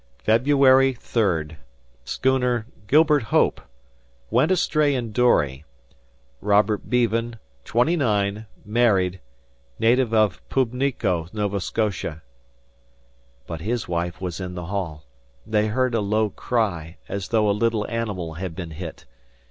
"February 23d. Schooner Gilbert Hope; went astray in dory, Robert Beavon, 29, married, native of Pubnico, Nova Scotia." But his wife was in the hall. They heard a low cry, as though a little animal had been hit.